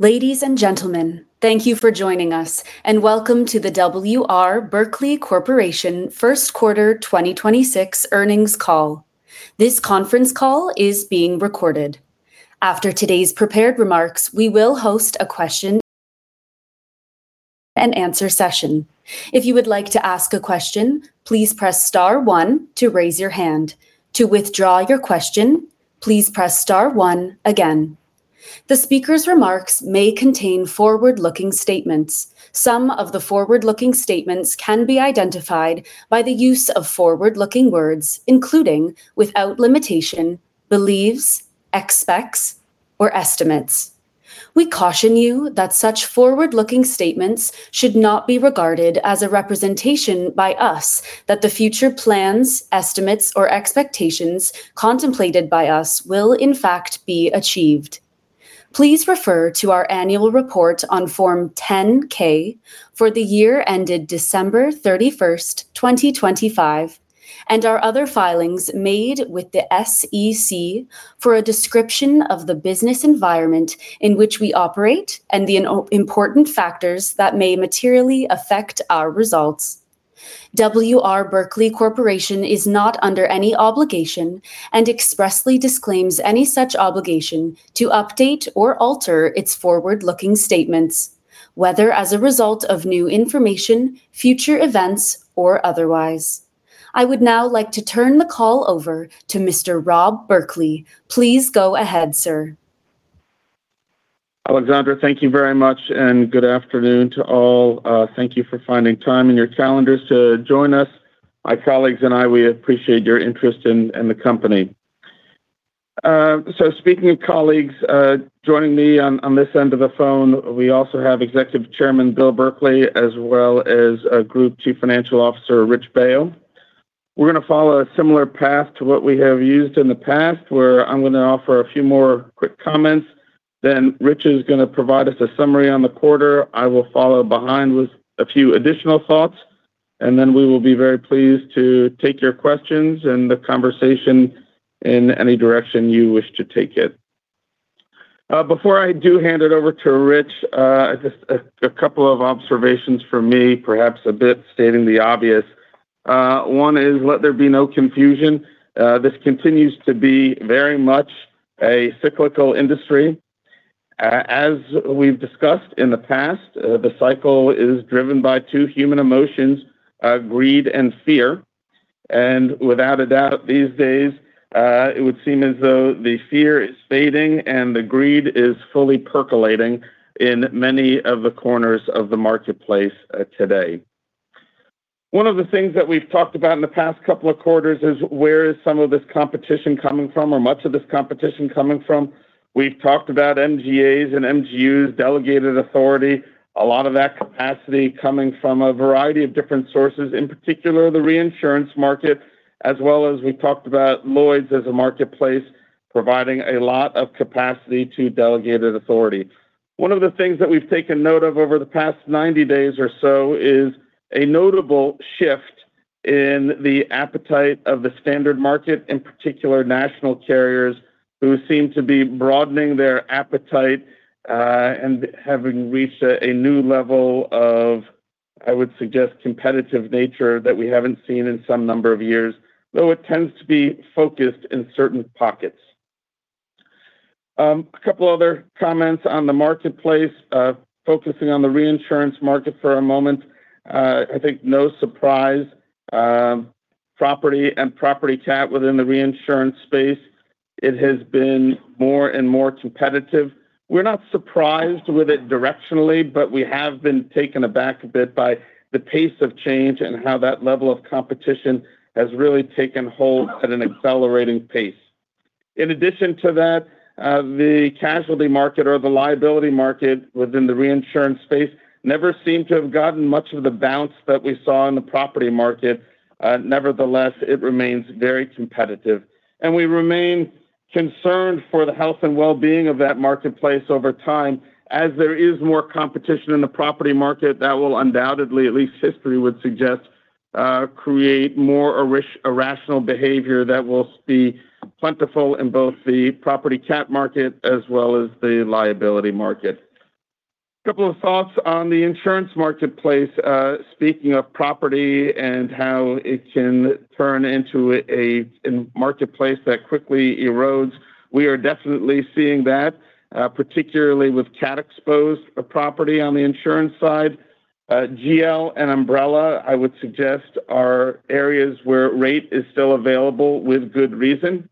Ladies and gentlemen, thank you for joining us, and welcome to the W. R. Berkley Corporation first quarter 2026 earnings call. This conference call is being recorded. After today's prepared remarks, we will host a question-and-answer session. If you would like to ask a question, please press star one to raise your hand. To withdraw your question, please press star one again. The speaker's remarks may contain forward-looking statements. Some of the forward-looking statements can be identified by the use of forward-looking words, including, without limitation, believes, expects, or estimates. We caution you that such forward-looking statements should not be regarded as a representation by us that the future plans, estimates, or expectations contemplated by us will in fact be achieved. Please refer to our annual report on Form 10-K for the year ended December 31st, 2025, and our other filings made with the SEC for a description of the business environment in which we operate and the important factors that may materially affect our results. W. R. Berkley Corporation is not under any obligation and expressly disclaims any such obligation to update or alter its forward-looking statements, whether as a result of new information, future events, or otherwise. I would now like to turn the call over to Mr. Rob Berkley. Please go ahead, sir. Alexandra, thank you very much, and good afternoon to all. Thank you for finding time in your calendars to join us. My colleagues and I, we appreciate your interest in the company. Speaking of colleagues, joining me on this end of the phone, we also have Executive Chairman Bill Berkley, as well as Group Chief Financial Officer Rich Baio. We're going to follow a similar path to what we have used in the past, where I'm going to offer a few more quick comments, then Rich is going to provide us a summary on the quarter. I will follow behind with a few additional thoughts, and then we will be very pleased to take your questions and the conversation in any direction you wish to take it. Before I do hand it over to Rich, just a couple of observations from me, perhaps a bit stating the obvious. One is, let there be no confusion. This continues to be very much a cyclical industry. As we've discussed in the past, the cycle is driven by two human emotions, greed and fear. Without a doubt, these days, it would seem as though the fear is fading and the greed is fully percolating in many of the corners of the marketplace today. One of the things that we've talked about in the past couple of quarters is where is some of this competition coming from, or much of this competition coming from? We've talked about MGAs and MGUs, delegated authority, a lot of that capacity coming from a variety of different sources, in particular, the reinsurance market, as well as we've talked about Lloyd's as a marketplace providing a lot of capacity to delegated authority. One of the things that we've taken note of over the past 90 days or so is a notable shift in the appetite of the standard market, in particular, national carriers who seem to be broadening their appetite and having reached a new level of, I would suggest, competitive nature that we haven't seen in some number of years, though it tends to be focused in certain pockets. A couple other comments on the marketplace, focusing on the reinsurance market for a moment. I think, no surprise, property and property cat within the reinsurance space, it has been more and more competitive. We're not surprised with it directionally, but we have been taken aback a bit by the pace of change and how that level of competition has really taken hold at an accelerating pace. In addition to that, the casualty market or the liability market within the reinsurance space never seemed to have gotten much of the bounce that we saw in the property market. Nevertheless, it remains very competitive, and we remain concerned for the health and wellbeing of that marketplace over time, as there is more competition in the property market that will undoubtedly, at least history would suggest, create more irrational behavior that will be plentiful in both the property cat market as well as the liability market. Couple of thoughts on the insurance marketplace. Speaking of property and how it can turn into a marketplace that quickly erodes, we are definitely seeing that, particularly with cat-exposed property on the insurance side. GL and umbrella, I would suggest, are areas where rate is still available with good reason.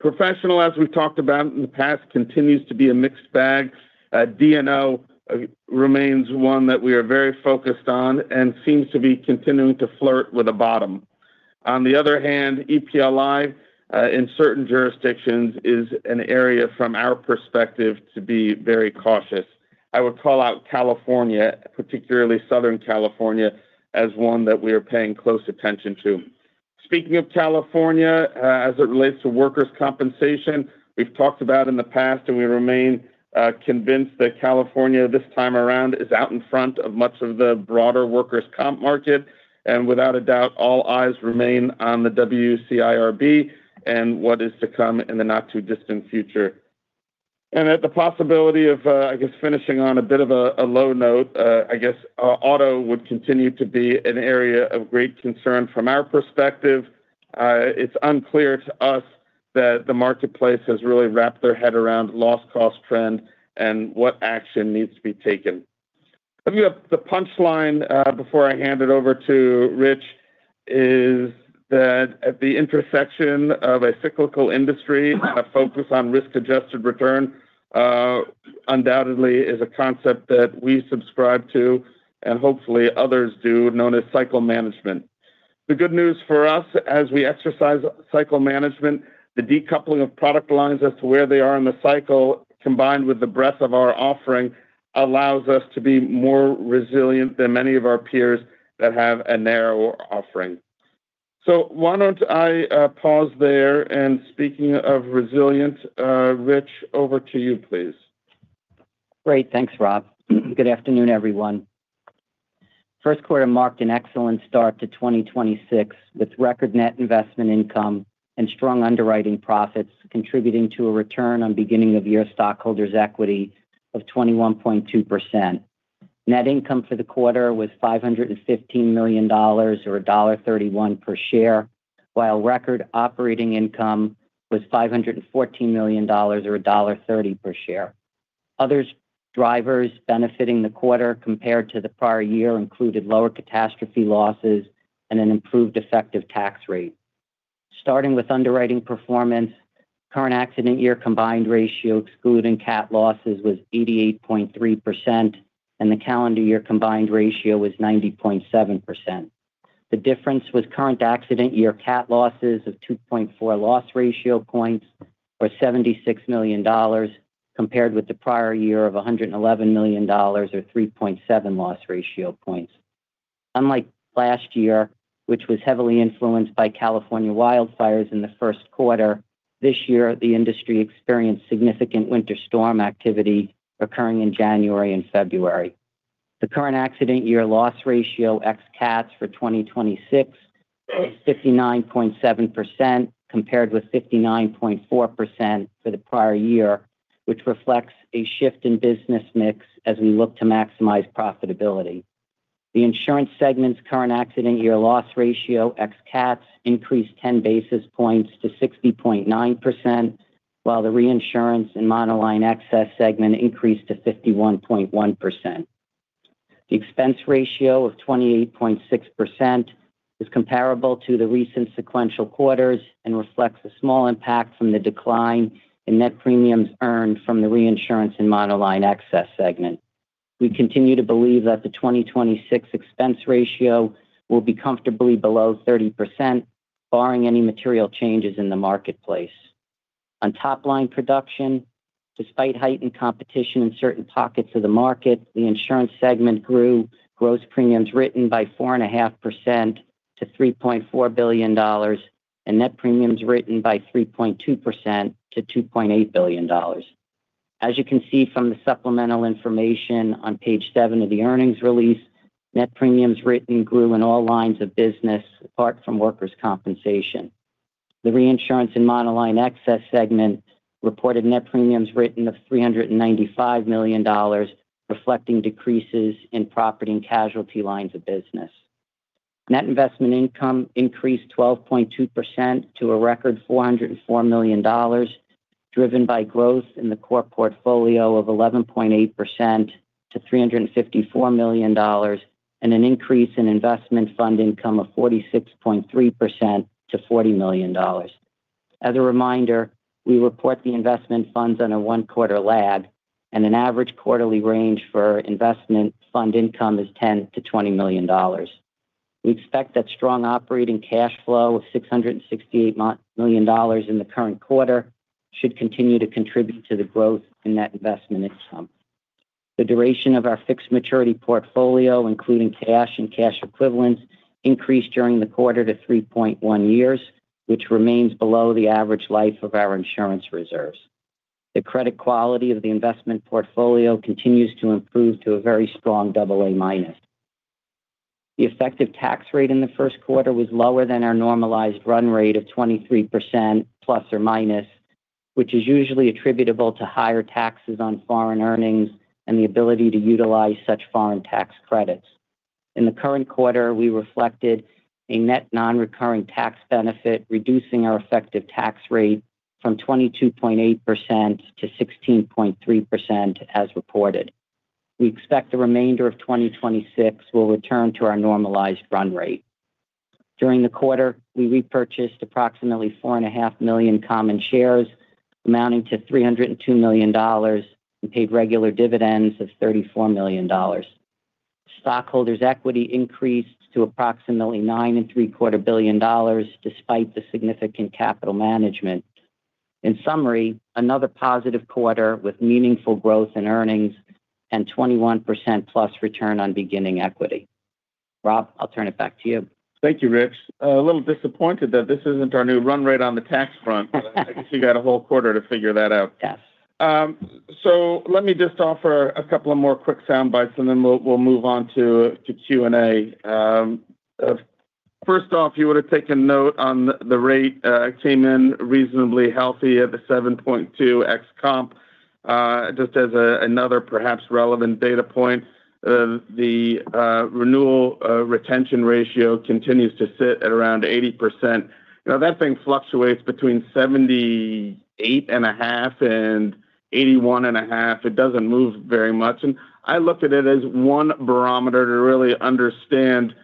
Professional, as we've talked about in the past, continues to be a mixed bag. D&O remains one that we are very focused on and seems to be continuing to flirt with the bottom. On the other hand, EPLI in certain jurisdictions is an area from our perspective to be very cautious. I would call out California, particularly Southern California, as one that we are paying close attention to. Speaking of California as it relates to workers' compensation, we've talked about in the past, and we remain convinced that California this time around is out in front of much of the broader workers' comp market. Without a doubt, all eyes remain on the WCIRB and what is to come in the not-too-distant future. At the possibility of, I guess, finishing on a bit of a low note, I guess auto would continue to be an area of great concern from our perspective. It's unclear to us that the marketplace has really wrapped their head around loss cost trend and what action needs to be taken. I give you the punchline before I hand it over to Rich, is that at the intersection of a cyclical industry and a focus on risk-adjusted return, undoubtedly is a concept that we subscribe to, and hopefully others do, known as cycle management. The good news for us as we exercise cycle management, the decoupling of product lines as to where they are in the cycle, combined with the breadth of our offering, allows us to be more resilient than many of our peers that have a narrower offering. Why don't I pause there, and speaking of resilience, Rich, over to you, please. Great. Thanks, Rob. Good afternoon, everyone. The first quarter marked an excellent start to 2026, with record net investment income and strong underwriting profits contributing to a return on beginning of year stockholders' equity of 21.2%. Net income for the quarter was $515 million or $1.31 per share, while record operating income was $514 million or $1.30 per share. Other drivers benefiting the quarter compared to the prior year included lower catastrophe losses and an improved effective tax rate. Starting with underwriting performance, current accident year combined ratio excluding cat losses was 88.3%, and the calendar year combined ratio was 90.7%. The difference was current accident year cat losses of 2.4 loss ratio points or $76 million, compared with the prior year of $111 million or 3.7 loss ratio points. Unlike last year, which was heavily influenced by California wildfires in the first quarter, this year, the industry experienced significant winter storm activity occurring in January and February. The current accident year loss ratio ex-cats for 2026 is 59.7%, compared with 59.4% for the prior year, which reflects a shift in business mix as we look to maximize profitability. The insurance segment's current accident year loss ratio, ex-cats, increased 10 basis points to 60.9%, while the reinsurance and monoline excess segment increased to 51.1%. The expense ratio of 28.6% is comparable to the recent sequential quarters and reflects a small impact from the decline in net premiums earned from the reinsurance and monoline excess segment. We continue to believe that the 2026 expense ratio will be comfortably below 30%, barring any material changes in the marketplace. On top-line production, despite heightened competition in certain pockets of the market, the insurance segment grew gross premiums written by 4.5% to $3.4 billion, and net premiums written by 3.2% to $2.8 billion. As you can see from the supplemental information on page seven of the earnings release, net premiums written grew in all lines of business apart from workers' compensation. The reinsurance and monoline excess segment reported net premiums written of $395 million, reflecting decreases in property and casualty lines of business. Net investment income increased 12.2% to a record $404 million, driven by growth in the core portfolio of 11.8% to $354 million, and an increase in investment fund income of 46.3% to $40 million. As a reminder, we report the investment funds on a one-quarter lag, and an average quarterly range for investment fund income is $10 million-$20 million. We expect that strong operating cash flow of $668 million in the current quarter should continue to contribute to the growth in net investment income. The duration of our fixed maturity portfolio, including cash and cash equivalents, increased during the quarter to 3.1 years, which remains below the average life of our insurance reserves. The credit quality of the investment portfolio continues to improve to a very strong AA-. The effective tax rate in the first quarter was lower than our normalized run rate of 23% ±, which is usually attributable to higher taxes on foreign earnings and the ability to utilize such foreign tax credits. In the current quarter, we reflected a net non-recurring tax benefit, reducing our effective tax rate from 22.8%-16.3% as reported. We expect the remainder of 2026 will return to our normalized run rate. During the quarter, we repurchased approximately 4.5 million common shares amounting to $302 million and paid regular dividends of $34 million. Stockholders' equity increased to approximately $9.75 billion despite the significant capital management. In summary, another positive quarter with meaningful growth in earnings and 21%+ return on beginning equity. Rob, I'll turn it back to you. Thank you, Rich. I'm a little disappointed that this isn't our new run rate on the tax front, but I guess you got a whole quarter to figure that out. Yes. Let me just offer a couple of more quick soundbites, and then we'll move on to Q&A. First off, you would have taken note on the rate. It came in reasonably healthy at the 7.2% ex-comp. Just as another perhaps relevant data point, the renewal retention ratio continues to sit at around 80%. Now that thing fluctuates between 78.5%-81.5%. It doesn't move very much. I look at it as one barometer to really understand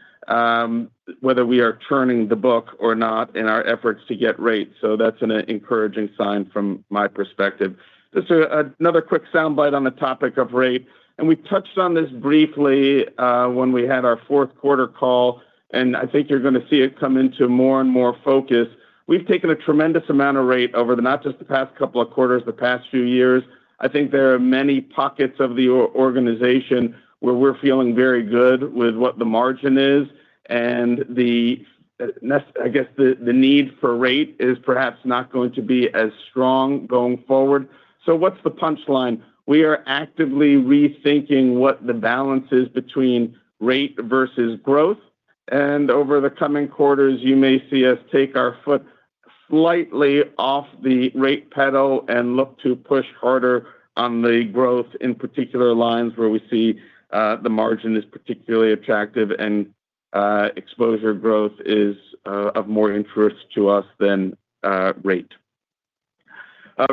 whether we are turning the book or not in our efforts to get rates. That's an encouraging sign from my perspective. Just another quick soundbite on the topic of rate, and we touched on this briefly when we had our fourth quarter call, and I think you're going to see it come into more and more focus. We've taken a tremendous amount of rate over not just the past couple of quarters, the past few years. I think there are many pockets of the organization where we're feeling very good with what the margin is and the need for rate is perhaps not going to be as strong going forward. What's the punchline? We are actively rethinking what the balance is between rate versus growth, and over the coming quarters, you may see us take our foot slightly off the rate pedal and look to push harder on the growth in particular lines where we see the margin is particularly attractive and exposure growth is of more interest to us than rate.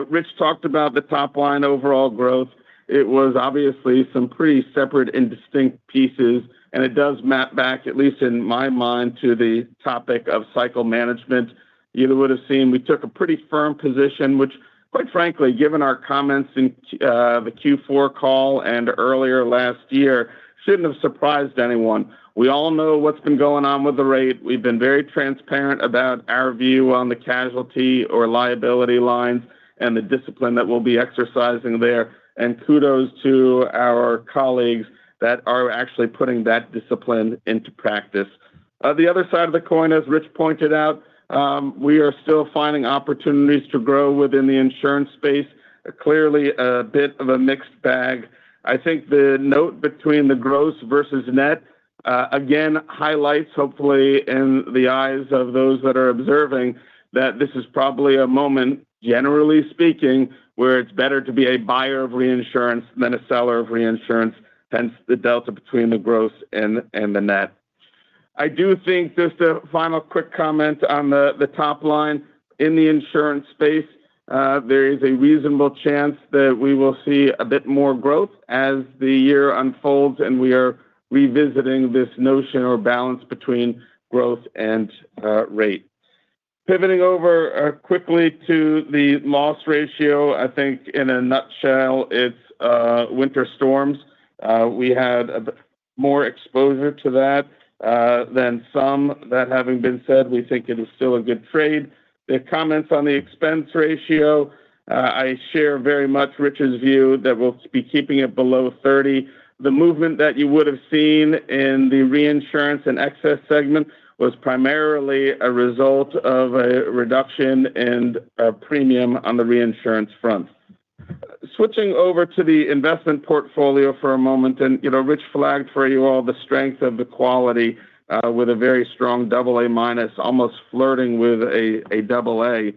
Rich talked about the top line overall growth. It was obviously some pretty separate and distinct pieces, and it does map back, at least in my mind, to the topic of cycle management. You would have seen we took a pretty firm position, which quite frankly, given our comments in the Q4 call and earlier last year, shouldn't have surprised anyone. We all know what's been going on with the rate. We've been very transparent about our view on the casualty or liability lines and the discipline that we'll be exercising there. Kudos to our colleagues that are actually putting that discipline into practice. The other side of the coin, as Rich pointed out, we are still finding opportunities to grow within the insurance space. Clearly a bit of a mixed bag. I think the note between the gross versus net, again, highlights, hopefully, in the eyes of those that are observing, that this is probably a moment, generally speaking, where it's better to be a buyer of reinsurance than a seller of reinsurance, hence the delta between the gross and the net. I do think, just a final quick comment on the top line, in the insurance space, there is a reasonable chance that we will see a bit more growth as the year unfolds, and we are revisiting this notion or balance between growth and rate. Pivoting over quickly to the loss ratio, I think in a nutshell, it's winter storms. We had more exposure to that than some. That having been said, we think it is still a good trade. The comments on the expense ratio, I share very much Rich's view that we'll be keeping it below 30%. The movement that you would have seen in the reinsurance and excess segment was primarily a result of a reduction in premium on the reinsurance front. Switching over to the investment portfolio for a moment, Rich flagged for you all the strength of the quality with a very strong AA-, almost flirting with AA.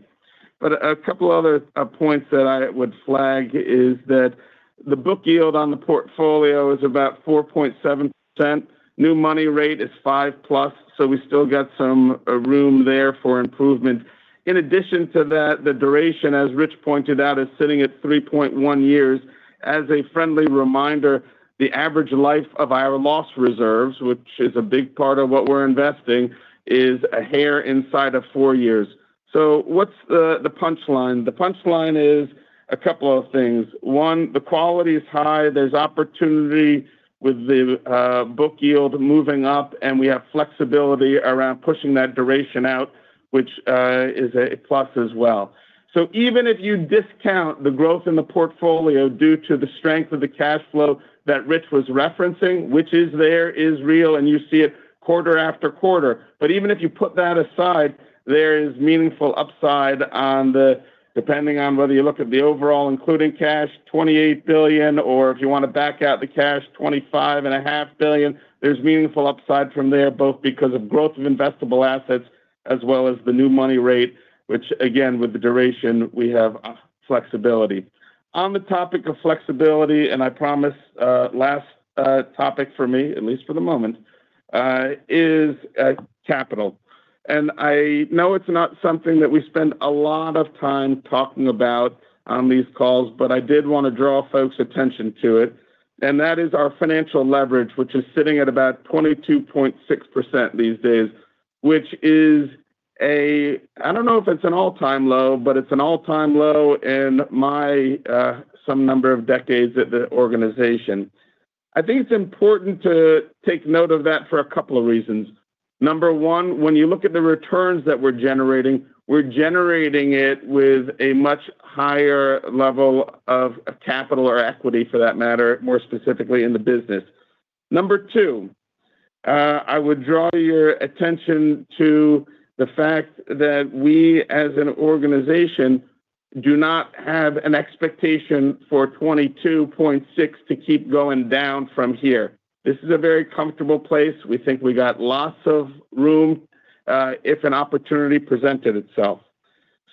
A couple other points that I would flag is that the book yield on the portfolio is about 4.7%. New money rate is 5%+, so we still got some room there for improvement. In addition to that, the duration, as Rich pointed out, is sitting at 3.1 years. As a friendly reminder, the average life of our loss reserves, which is a big part of what we're investing, is a hair inside of four years. What's the punchline? The punchline is a couple of things. One, the quality is high. There's opportunity with the book yield moving up, and we have flexibility around pushing that duration out, which is a plus as well. Even if you discount the growth in the portfolio due to the strength of the cash flow that Rich was referencing, which is there, is real, and you see it quarter after quarter. Even if you put that aside, there is meaningful upside on the, depending on whether you look at the overall, including cash, $28 billion, or if you want to back out the cash, $25.5 billion. There's meaningful upside from there, both because of growth of investable assets as well as the new money rate, which again, with the duration, we have flexibility. On the topic of flexibility, and I promise last topic for me, at least for the moment, is capital. I know it's not something that we spend a lot of time talking about on these calls, but I did want to draw folks' attention to it, and that is our financial leverage, which is sitting at about 22.6% these days, which is, I don't know if it's an all-time low, but it's an all-time low in my, some number of decades at the organization. I think it's important to take note of that for a couple of reasons. Number one, when you look at the returns that we're generating, we're generating it with a much higher level of capital or equity for that matter, more specifically in the business. Number two, I would draw your attention to the fact that we, as an organization, do not have an expectation for 22.6% to keep going down from here. This is a very comfortable place. We think we got lots of room if an opportunity presented itself.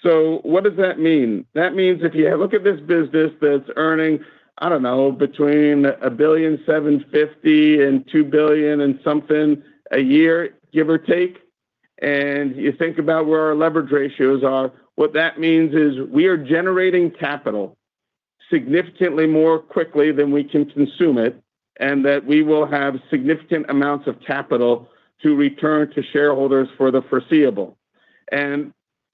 What does that mean? That means if you look at this business that's earning, I don't know, between $1.75 billion and $2 billion and something a year, give or take, and you think about where our leverage ratios are, what that means is we are generating capital significantly more quickly than we can consume it, and that we will have significant amounts of capital to return to shareholders for the foreseeable.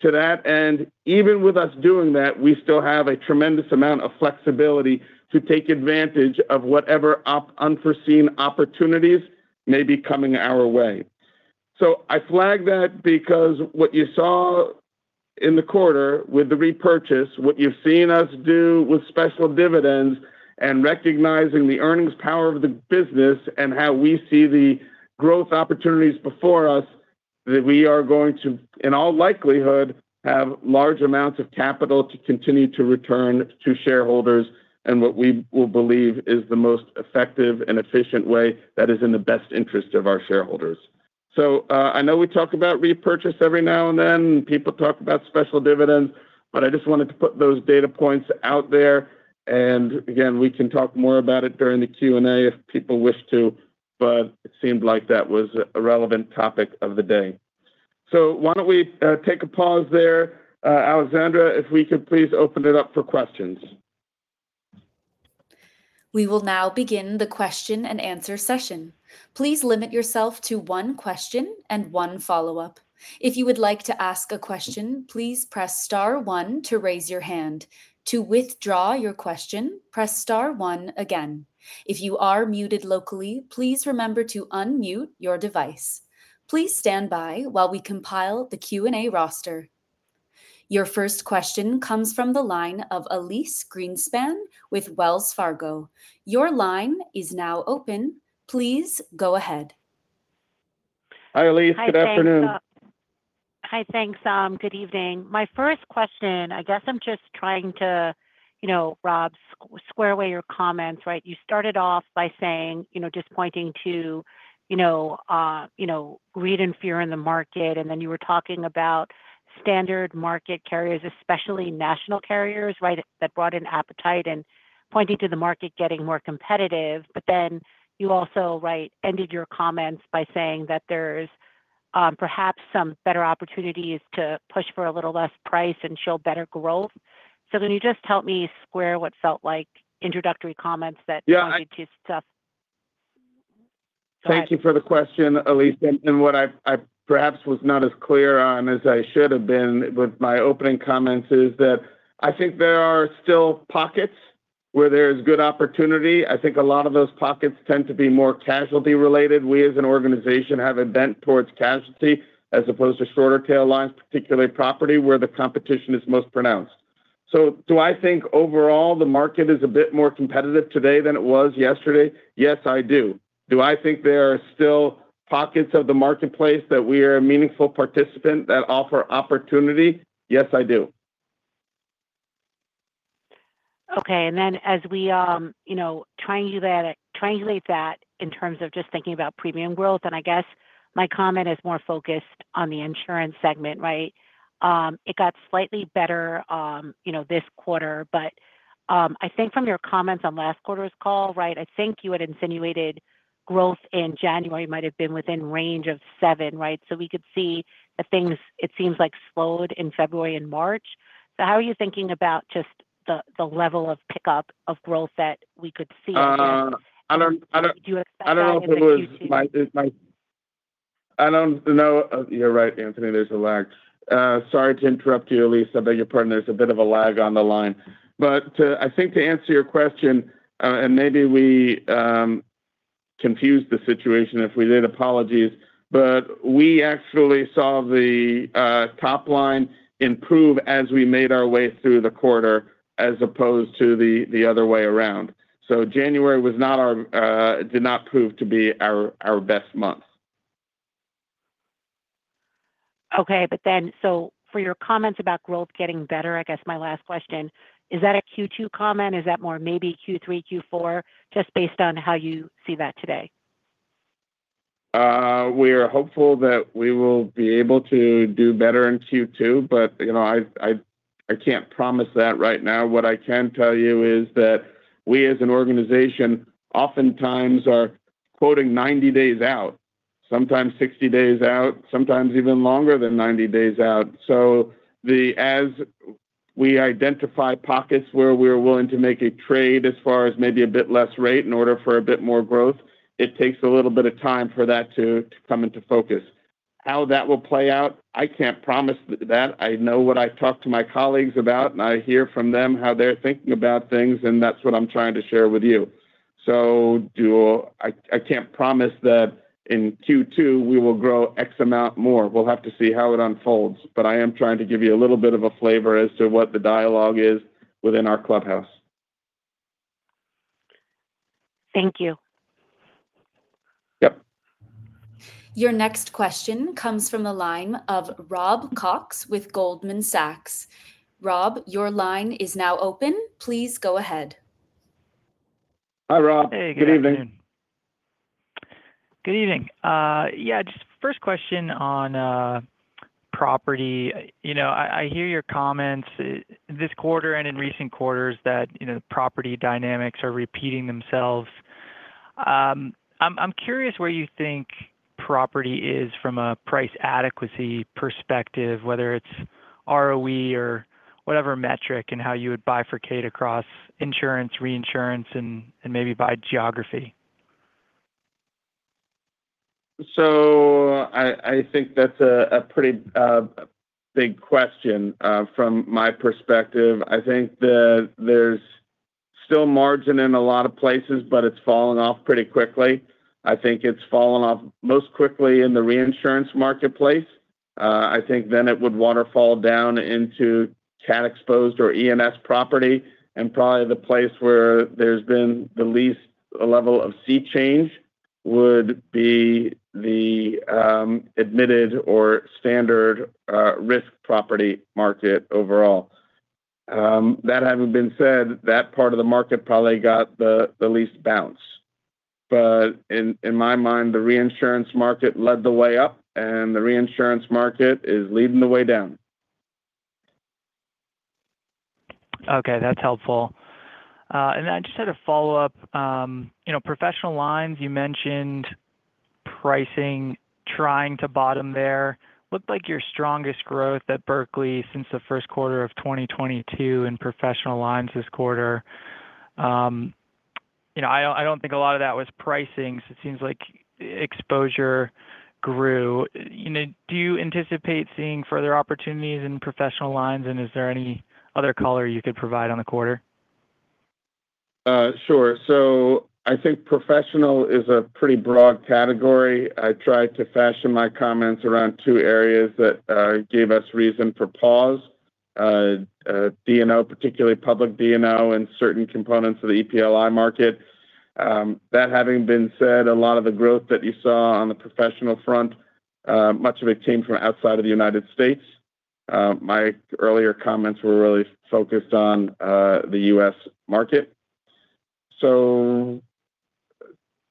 To that end, even with us doing that, we still have a tremendous amount of flexibility to take advantage of whatever unforeseen opportunities may be coming our way. I flag that because what you saw in the quarter with the repurchase, what you've seen us do with special dividends and recognizing the earnings power of the business and how we see the growth opportunities before us, that we are going to, in all likelihood, have large amounts of capital to continue to return to shareholders in what we will believe is the most effective and efficient way that is in the best interest of our shareholders. I know we talk about repurchase every now and then. People talk about special dividends, but I just wanted to put those data points out there, and again, we can talk more about it during the Q&A if people wish to, but it seemed like that was a relevant topic of the day. Why don't we take a pause there. Alexandra, if we could please open it up for questions. We will now begin the question-and-answer session. Please limit yourself to one question and one follow-up. If you would like to ask a question, please press star one to raise your hand. To withdraw your question, press star one again. If you are muted locally, please remember to unmute your device. Please stand by while we compile the Q&A roster. Your first question comes from the line of Elyse Greenspan with Wells Fargo. Your line is now open. Please go ahead. Hi, Elyse. Good afternoon. Hi. Thanks, team. Good evening. My first question, I guess I'm just trying to, Rob, square away your comments, right? You started off by just pointing to greed and fear in the market, and then you were talking about standard market carriers, especially national carriers, right, that brought in appetite and pointing to the market getting more competitive. But then you also, right, ended your comments by saying that there's perhaps some better opportunities to push for a little less price and show better growth. Can you just help me square what felt like introductory comments that pointed to stuff? Thank you for the question, Elyse, and what I perhaps was not as clear on as I should have been with my opening comments is that I think there are still pockets where there is good opportunity. I think a lot of those pockets tend to be more casualty related. We, as an organization, have a bent towards casualty as opposed to shorter tail lines, particularly property, where the competition is most pronounced. Do I think overall the market is a bit more competitive today than it was yesterday? Yes, I do. Do I think there are still pockets of the marketplace that we are a meaningful participant that offer opportunity? Yes, I do. Okay, as we translate that in terms of just thinking about premium growth, and I guess my comment is more focused on the insurance segment, right? It got slightly better this quarter, but I think from your comments on last quarter's call, right, I think you had insinuated growth in January might have been within range of 7%, right? We could see that things, it seems like, slowed in February and March. How are you thinking about just the level of pickup of growth that we could see here? I don't- Could you assess that in the Q2? You're right, Anthony, there's a lag. Sorry to interrupt you, Elyse. I beg your pardon. There's a bit of a lag on the line. I think to answer your question, and maybe we confused the situation if we did, apologies, but we actually saw the top line improve as we made our way through the quarter as opposed to the other way around. January did not prove to be our best month. Okay. For your comments about growth getting better, I guess my last question, is that a Q2 comment? Is that more maybe Q3, Q4, just based on how you see that today? We are hopeful that we will be able to do better in Q2, but I can't promise that right now. What I can tell you is that we, as an organization, oftentimes are quoting 90 days out, sometimes 60 days out, sometimes even longer than 90 days out. As we identify pockets where we're willing to make a trade as far as maybe a bit less rate in order for a bit more growth, it takes a little bit of time for that to come into focus. How that will play out, I can't promise that. I know what I've talked to my colleagues about, and I hear from them how they're thinking about things, and that's what I'm trying to share with you. I can't promise that in Q2, we will grow X amount more. We'll have to see how it unfolds. I am trying to give you a little bit of a flavor as to what the dialogue is within our clubhouse. Thank you. Yep. Your next question comes from the line of Robert Cox with Goldman Sachs. Rob, your line is now open. Please go ahead. Hi, Rob. Hey, good evening. Good evening. Good evening. Yeah, just first question on property. I hear your comments this quarter and in recent quarters that property dynamics are repeating themselves. I'm curious where you think property is from a price adequacy perspective, whether it's ROE or whatever metric, and how you would bifurcate across insurance, reinsurance, and maybe by geography? I think that's a pretty big question. From my perspective, I think that there's still margin in a lot of places, but it's falling off pretty quickly. I think it's fallen off most quickly in the reinsurance marketplace. I think then it would waterfall down into cat exposed or E&S property, and probably the place where there's been the least level of sea change would be the admitted or standard risk property market overall. That having been said, that part of the market probably got the least bounce. But in my mind, the reinsurance market led the way up and the reinsurance market is leading the way down. Okay, that's helpful. I just had a follow-up. Professional lines, you mentioned pricing trying to bottom there. Looked like your strongest growth at Berkley since the first quarter of 2022 in professional lines this quarter. I don't think a lot of that was pricing, so it seems like exposure grew. Do you anticipate seeing further opportunities in professional lines, and is there any other color you could provide on the quarter? Sure. I think professional is a pretty broad category. I tried to fashion my comments around two areas that gave us reason for pause. D&O, particularly public D&O and certain components of the EPLI market. That having been said, a lot of the growth that you saw on the professional front, much of it came from outside of the United States. My earlier comments were really focused on the U.S. market.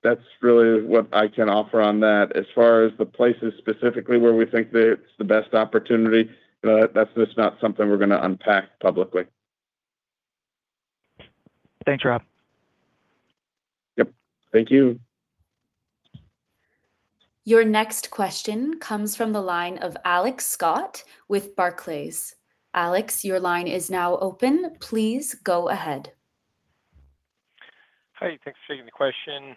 That's really what I can offer on that. As far as the places specifically where we think that it's the best opportunity, that's just not something we're going to unpack publicly. Thanks, Rob. Yep, thank you. Your next question comes from the line of Alex Scott with Barclays. Alex, your line is now open. Please go ahead. Hi, thanks for taking the question.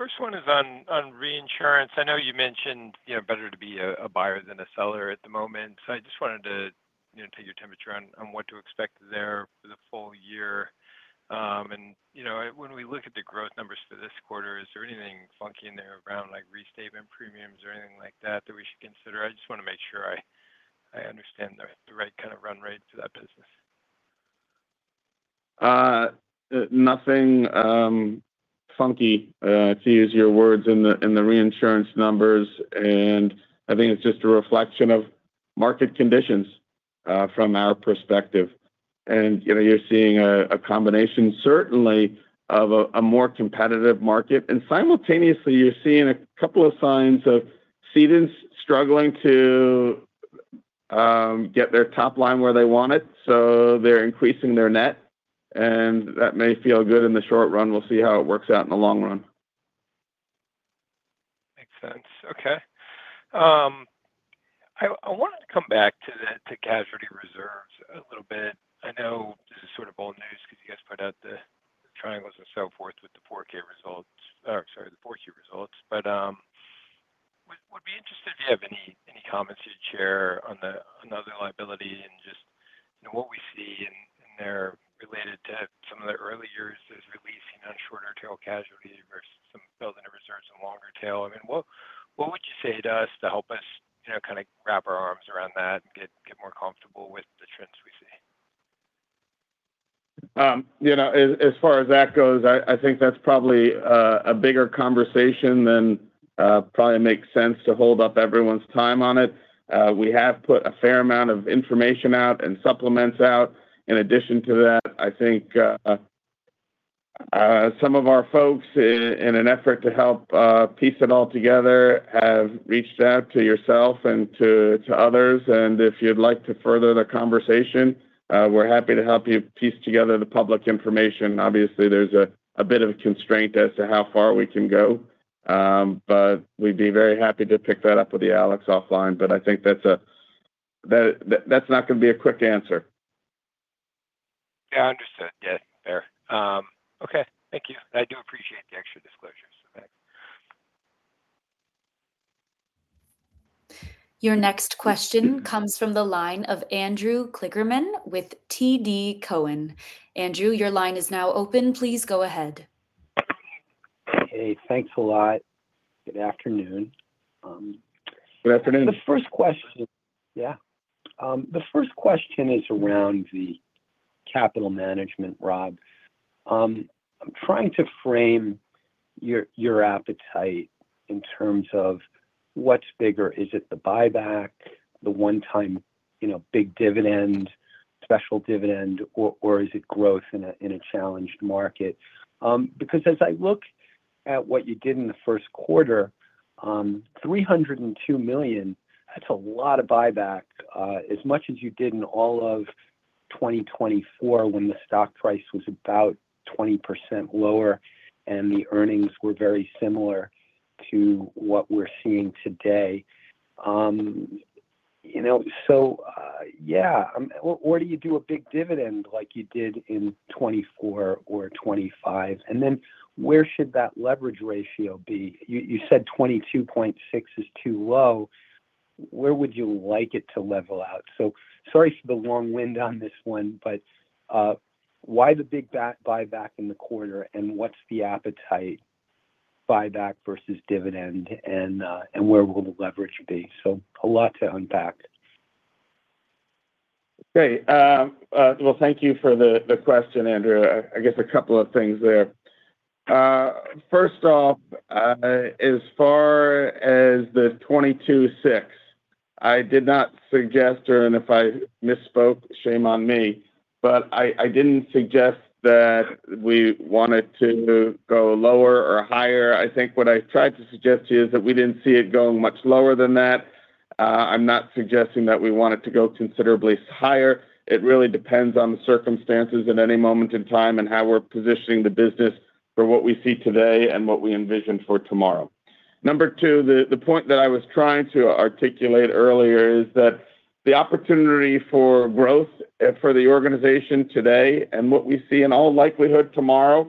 First one is on reinsurance. I know you mentioned better to be a buyer than a seller at the moment, so I just wanted to take your temperature on what to expect there for the full-year. When we look at the growth numbers for this quarter, is there anything funky in there around reinstated premiums or anything like that that we should consider? I just want to make sure I understand the right kind of run rate to that business. Nothing funky, to use your words, in the reinsurance numbers, and I think it's just a reflection of market conditions from our perspective. You're seeing a combination certainly of a more competitive market, and simultaneously you're seeing a couple of signs of cedants struggling to get their top line where they want it, so they're increasing their net, and that may feel good in the short run. We'll see how it works out in the long run. Makes sense. Okay, I wanted to come back to casualty reserves a little bit. I know this is sort of old news because you guys put out the triangles and so forth with the 10-K results, or sorry, the 4Q results. Would be interested if you have any comments you'd share on the other liability and just what we see in there related to some of the early years is releasing on shorter tail casualty versus some building of reserves on longer tail. I mean, what would you say to us to help us kind of wrap our arms around that and get more comfortable with the trends we see? As far as that goes, I think that's probably a bigger conversation than probably makes sense to hold up everyone's time on it. We have put a fair amount of information out and supplements out. In addition to that, I think some of our folks, in an effort to help piece it all together, have reached out to yourself and to others, and if you'd like to further the conversation, we're happy to help you piece together the public information. Obviously, there's a bit of a constraint as to how far we can go, but we'd be very happy to pick that up with you, Alex, offline. I think that's not going to be a quick answer. Yeah, understood. Yeah, fair. Okay, thank you. I do appreciate the extra disclosures. Thanks. Your next question comes from the line of Andrew Kligerman with TD Cowen. Andrew, your line is now open. Please go ahead. Hey, thanks a lot. Good afternoon. Good afternoon. The first question is around the capital management, Rob. I'm trying to frame your appetite in terms of what's bigger. Is it the buyback, the one-time big dividend, special dividend, or is it growth in a challenged market? Because as I look at what you did in the first quarter, $302 million, that's a lot of buyback. As much as you did in all of 2024, when the stock price was about 20% lower and the earnings were very similar to what we're seeing today. Yeah, do you do a big dividend like you did in 2024 or 2025? And then where should that leverage ratio be? You said 22.6% is too low. Where would you like it to level out? Sorry for the long-winded on this one, but why the big buyback in the quarter and what's the appetite, buyback versus dividend, and where will the leverage be? A lot to unpack. Great. Well, thank you for the question, Andrew. I guess a couple of things there. First off, as far as the 22.6%, I did not suggest, and if I misspoke, shame on me, but I didn't suggest that we wanted to go lower or higher. I think what I tried to suggest to you is that we didn't see it going much lower than that. I'm not suggesting that we want it to go considerably higher. It really depends on the circumstances at any moment in time and how we're positioning the business for what we see today and what we envision for tomorrow. Number two, the point that I was trying to articulate earlier is that the opportunity for growth for the organization today and what we see in all likelihood tomorrow,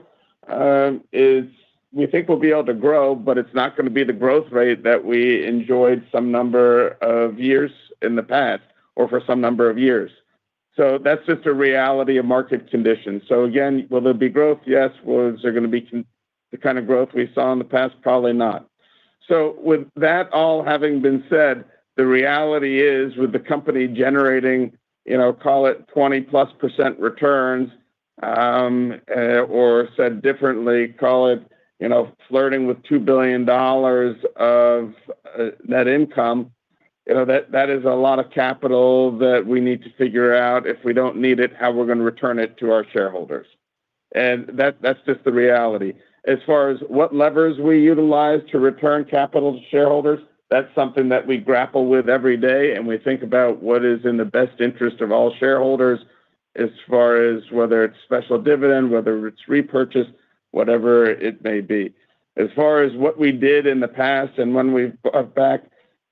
is we think we'll be able to grow, but it's not going to be the growth rate that we enjoyed some number of years in the past or for some number of years. That's just a reality of market conditions. Again, will there be growth? Yes. Is there going to be the kind of growth we saw in the past? Probably not. With that all having been said, the reality is with the company generating, call it 20%+ returns, or said differently, call it flirting with $2 billion of net income, that is a lot of capital that we need to figure out, if we don't need it, how we're going to return it to our shareholders? That's just the reality. As far as what levers we utilize to return capital to shareholders, that's something that we grapple with every day, and we think about what is in the best interest of all shareholders as far as whether it's special dividend, whether it's repurchase, whatever it may be. As far as what we did in the past and when we bought back,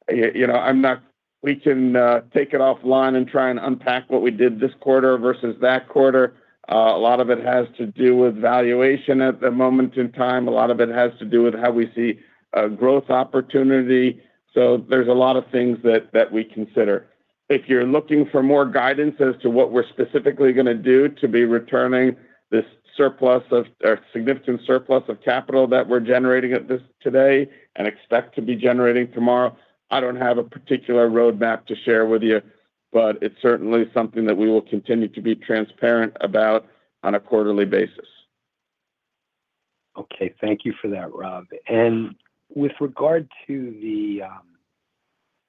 we can take it offline and try and unpack what we did this quarter versus that quarter. A lot of it has to do with valuation at that moment in time. A lot of it has to do with how we see growth opportunity. There's a lot of things that we consider. If you're looking for more guidance as to what we're specifically going to do to be returning this surplus or significant surplus of capital that we're generating as of today and expect to be generating tomorrow, I don't have a particular roadmap to share with you, but it's certainly something that we will continue to be transparent about on a quarterly basis. Okay. Thank you for that, Rob. With regard to the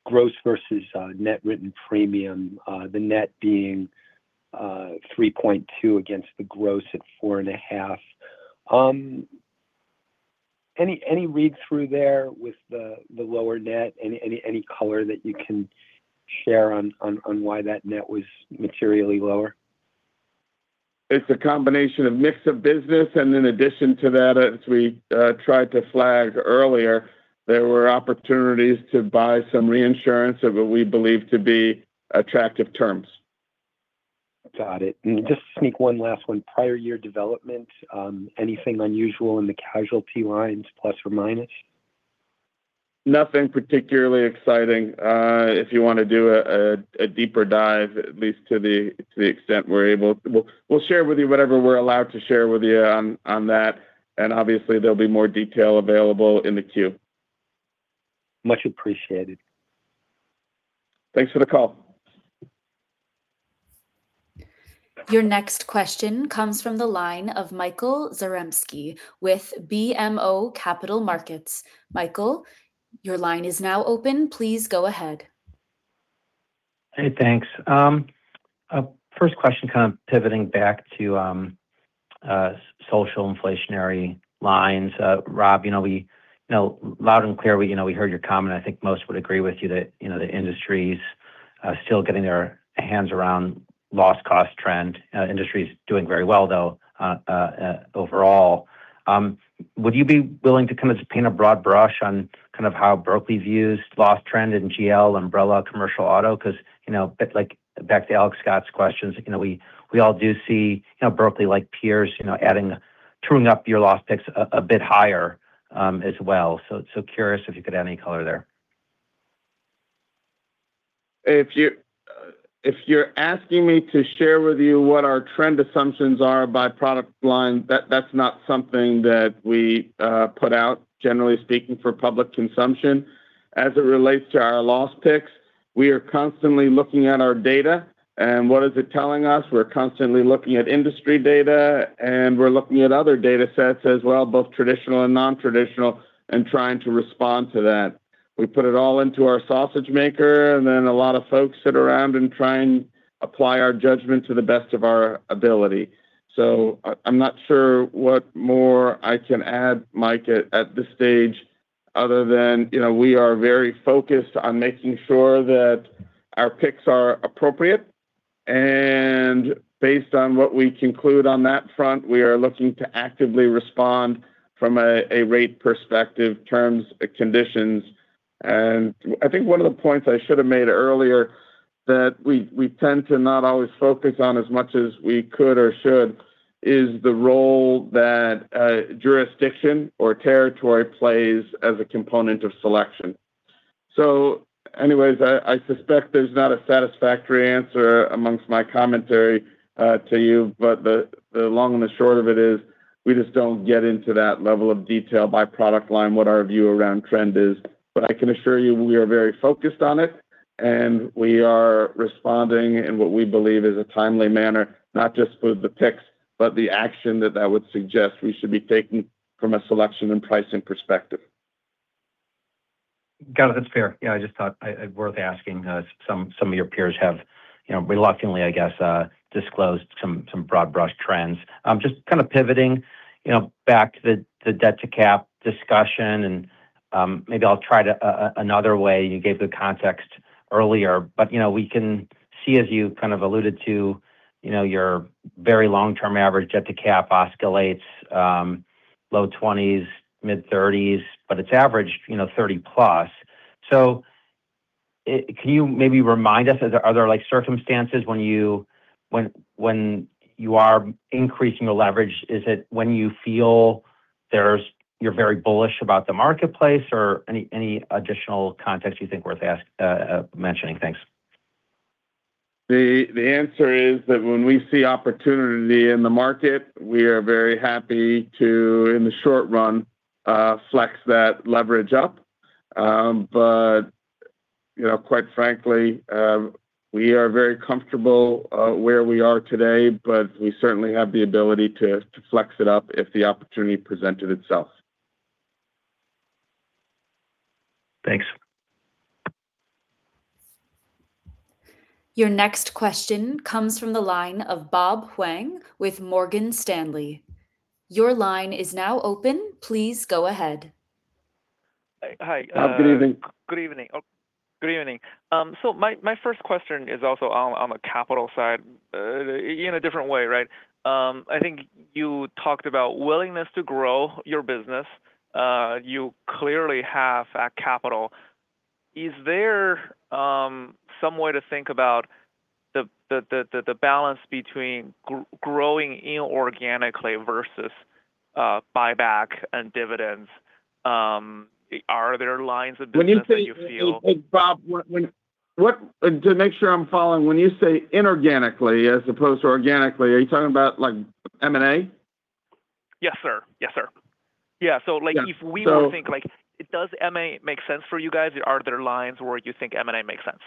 gross versus net written premium, the net being $3.2 against the gross at $4.5. Any read-through there with the lower net? Any color that you can share on why that net was materially lower? It's a combination or mix of business, and in addition to that, as we tried to flag earlier, there were opportunities to buy some reinsurance at what we believe to be attractive terms. Got it. Just sneak one last one. Prior year development, anything unusual in the casualty lines, plus or minus? Nothing particularly exciting. If you want to do a deeper dive, at least to the extent we're able, we'll share with you whatever we're allowed to share with you on that, and obviously there'll be more detail available in the queue. Much appreciated. Thanks for the call. Your next question comes from the line of Michael Zaremski with BMO Capital Markets. Michael, your line is now open. Please go ahead. Hey, thanks. First question, kind of pivoting back to social inflationary lines. Rob, loud and clear, we heard your comment. I think most would agree with you that the industry's still getting their hands around loss cost trend. Industry's doing very well, though, overall. Would you be willing to kind of just paint a broad brush on how Berkley views loss trend in GL, umbrella, commercial auto, because back to Alex Scott's questions, we all do see Berkley, like peers tuning up your loss picks a bit higher as well. Curious if you could add any color there. If you're asking me to share with you what our trend assumptions are by product line, that's not something that we put out, generally speaking, for public consumption as it relates to our loss picks. We are constantly looking at our data, and what is it telling us? We're constantly looking at industry data, and we're looking at other data sets as well, both traditional and non-traditional, and trying to respond to that. We put it all into our sausage maker, and then a lot of folks sit around and try and apply our judgment to the best of our ability. So, I'm not sure what more I can add, Mike, at this stage other than we are very focused on making sure that our picks are appropriate. Based on what we conclude on that front, we are looking to actively respond from a rate perspective, terms, conditions. I think one of the points I should have made earlier that we tend to not always focus on as much as we could or should, is the role that jurisdiction or territory plays as a component of selection. Anyways, I suspect there's not a satisfactory answer amongst my commentary to you, but the long and the short of it is, we just don't get into that level of detail by product line, what our view around trend is. I can assure you we are very focused on it, and we are responding in what we believe is a timely manner, not just for the picks, but the action that that would suggest we should be taking from a selection and pricing perspective. Got it, that's fair. Yeah, I just thought worth asking. Some of your peers have reluctantly, I guess, disclosed some broad brush trends. Just kind of pivoting back to the debt to cap discussion, and maybe I'll try another way. You gave the context earlier, but we can see as you kind of alluded to your very long-term average debt to cap oscillates low 20s, mid-30s, but it's averaged 30%+. So can you maybe remind us? Are there circumstances when you are increasing the leverage? Is it when you feel you're very bullish about the marketplace? Or any additional context you think worth mentioning? Thanks. The answer is that when we see opportunity in the market, we are very happy to, in the short run, flex that leverage up. Quite frankly, we are very comfortable where we are today, but we certainly have the ability to flex it up if the opportunity presented itself. Thanks. Your next question comes from the line of Bob Huang with Morgan Stanley. Your line is now open. Please go ahead. Hi, good evening. Bob, good evening. Good evening. My first question is also on the capital side in a different way, right? I think you talked about willingness to grow your business. You clearly have that capital. Is there some way to think about the balance between growing inorganically versus buyback and dividends? Are there lines of business that you feel- Bob, to make sure I'm following, when you say inorganically as opposed to organically, are you talking about M&A? Yes, sir. Yeah. If we were to think, does M&A make sense for you guys? Are there lines where you think M&A makes sense?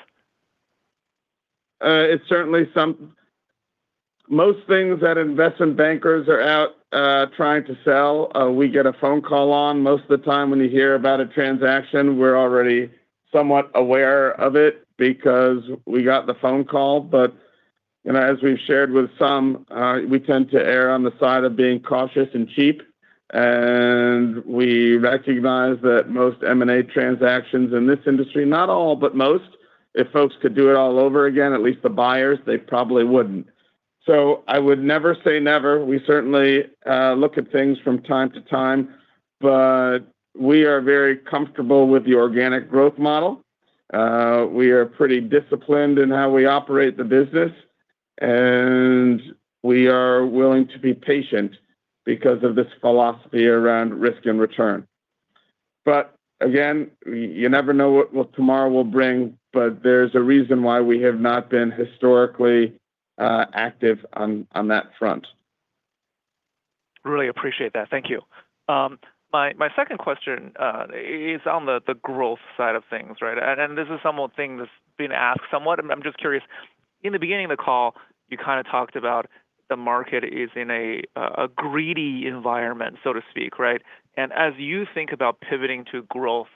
Most things that investment bankers are out trying to sell, we get a phone call on. Most of the time when you hear about a transaction, we're already somewhat aware of it because we got the phone call. As we've shared with some, we tend to err on the side of being cautious and cheap, and we recognize that most M&A transactions in this industry, not all, but most, if folks could do it all over again, at least the buyers, they probably wouldn't. I would never say never. We certainly look at things from time to time, but we are very comfortable with the organic growth model. We are pretty disciplined in how we operate the business, and we are willing to be patient because of this philosophy around risk and return. Again, you never know what tomorrow will bring. There's a reason why we have not been historically active on that front. Really appreciate that, thank you. My second question is on the growth side of things, right? This is somewhat of a thing that's been asked somewhat, and I'm just curious. In the beginning of the call, you kind of talked about the market is in a greedy environment, so to speak, right? As you think about pivoting to growth,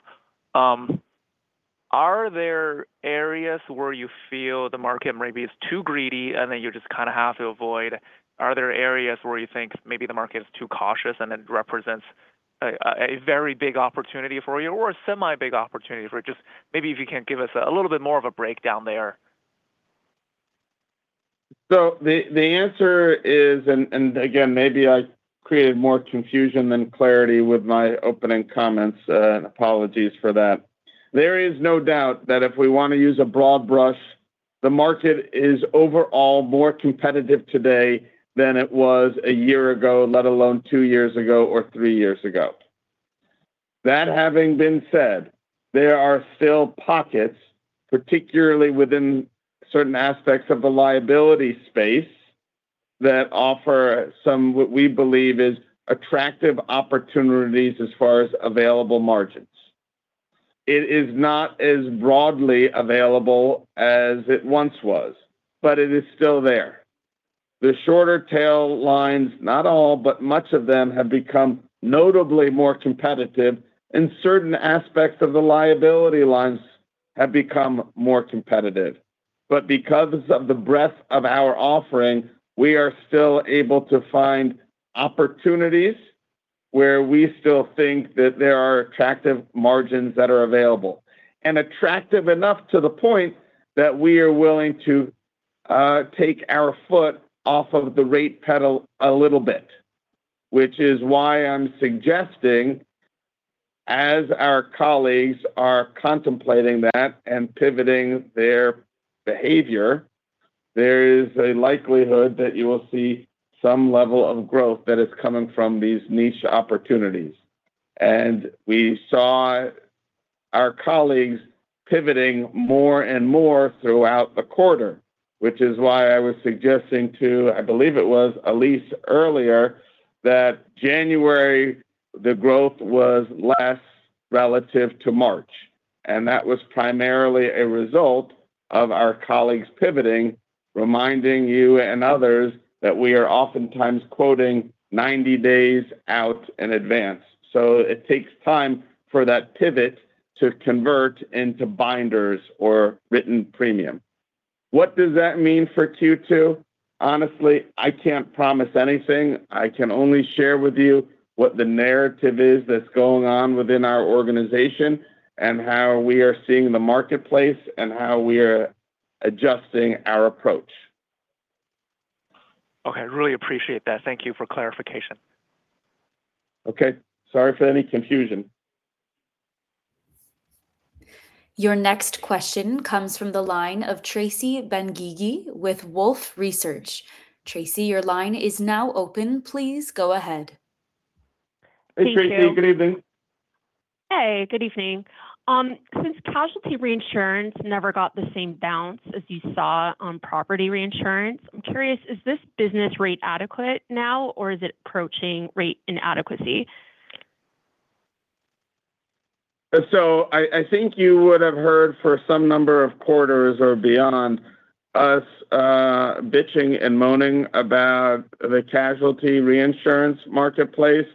are there areas where you feel the market maybe is too greedy and that you just kind of have to avoid? Are there areas where you think maybe the market is too cautious and it represents a very big opportunity for you, or a semi big opportunity for just maybe if you can give us a little bit more of a breakdown there. The answer is, and again, maybe I created more confusion than clarity with my opening comments, apologies for that. There is no doubt that if we want to use a broad brush, the market is overall more competitive today than it was a year ago, let alone two years ago or three years ago. That having been said, there are still pockets, particularly within certain aspects of the liability space that offer some, what we believe is attractive opportunities as far as available margins. It is not as broadly available as it once was, but it is still there. The shorter tail lines, not all, but much of them have become notably more competitive, and certain aspects of the liability lines have become more competitive. Because of the breadth of our offering, we are still able to find opportunities where we still think that there are attractive margins that are available. Attractive enough to the point that we are willing to take our foot off of the rate pedal a little bit, which is why I'm suggesting as our colleagues are contemplating that and pivoting their behavior, there is a likelihood that you will see some level of growth that is coming from these niche opportunities. We saw our colleagues pivoting more and more throughout the quarter, which is why I was suggesting to, I believe it was Elyse earlier, that January, the growth was less relative to March. That was primarily a result of our colleagues pivoting, reminding you and others that we are oftentimes quoting 90 days out in advance. It takes time for that pivot to convert into binders or written premium. What does that mean for Q2? Honestly, I can't promise anything. I can only share with you what the narrative is that's going on within our organization and how we are seeing the marketplace and how we are adjusting our approach. Okay, really appreciate that. Thank you for clarification. Okay. Sorry for any confusion. Your next question comes from the line of Tracy Benguigui with Wolfe Research. Tracy, your line is now open. Please go ahead. Hey, Tracy. Good evening. Hey, good evening. Since casualty reinsurance never got the same bounce as you saw on property reinsurance, I'm curious, is this business rate adequate now, or is it approaching rate inadequacy? I think you would have heard for some number of quarters or beyond us bitching and moaning about the casualty reinsurance marketplace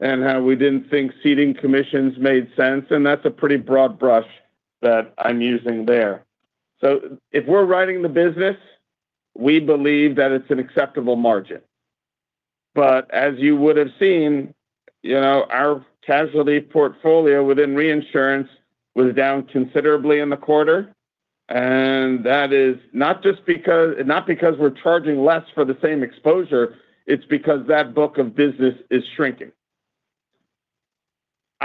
and how we didn't think ceding commissions made sense, and that's a pretty broad brush that I'm using there. If we're riding the business, we believe that it's an acceptable margin. As you would have seen, our casualty portfolio within reinsurance was down considerably in the quarter, and that is not because we're charging less for the same exposure, it's because that book of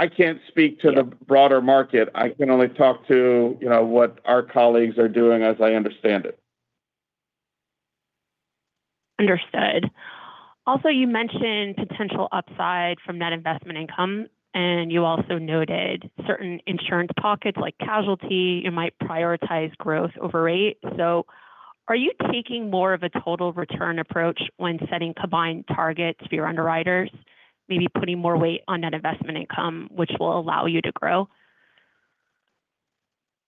business is shrinking. I can't speak to the broader market. I can only talk to what our colleagues are doing as I understand it. Understood. Also, you mentioned potential upside from net investment income, and you also noted certain insurance pockets like casualty, you might prioritize growth over rate. Are you taking more of a total return approach when setting combined targets for your underwriters? Maybe putting more weight on net investment income, which will allow you to grow?